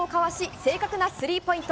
正確なスリーポイント。